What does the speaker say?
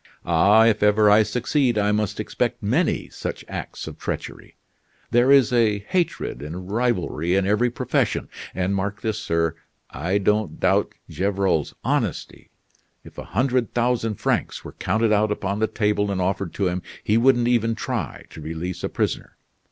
Ah, if ever I succeed, I must expect many such acts of treachery. There is hatred and rivalry in every profession. And, mark this, sir I don't doubt Gevrol's honesty. If a hundred thousand francs were counted out upon the table and offered to him, he wouldn't even try to release a prisoner.